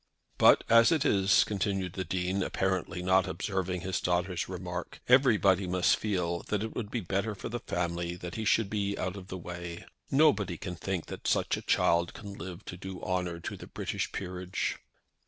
"But as it is," continued the Dean, apparently not observing his daughter's remark, "everybody must feel that it would be better for the family that he should be out of the way. Nobody can think that such a child can live to do honour to the British peerage."